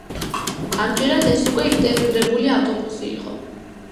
ამჯერად ეს უკვე ინტეგრირებული ავტობუსი იყო.